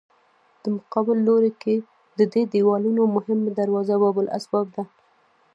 په مقابل لوري کې د دې دیوالونو مهمه دروازه باب الاسباب ده.